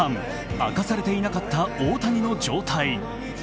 明かされていなかった大谷の状態。